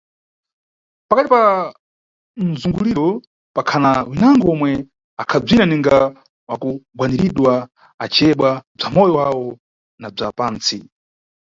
Pakati pa mzunguliro pakhana winango omwe akhabzina ninga wakugwaniridwa, aciyebwa bza moyo wawo na bza pantsi.